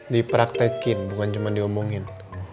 dipraktekin bukan cuman diomongin